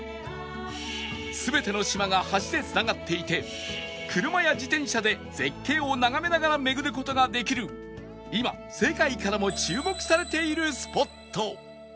全ての島が橋で繋がっていて車や自転車で絶景を眺めながら巡る事ができる今世界からも注目されているスポット